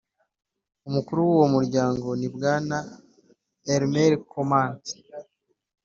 umukuru w uwo muryango ni Bwana Elmer Komant